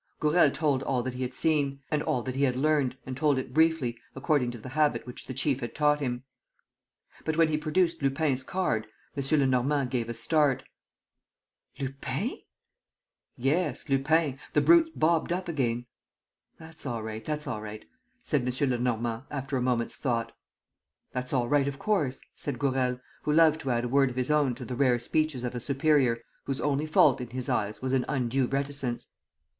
Gourel told all that he had seen, and all that he had learnt, and told it briefly, according to the habit which the chief had taught him. But, when he produced Lupin's card, M. Lenormand gave a start: "Lupin!" "Yes, Lupin. The brute's bobbed up again." "That's all right, that's all right," said M. Lenormand, after a moment's thought. "That's all right, of course," said Gourel, who loved to add a word of his own to the rare speeches of a superior whose only fault in his eyes was an undue reticence.